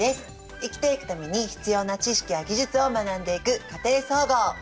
生きていくために必要な知識や技術を学んでいく家庭総合。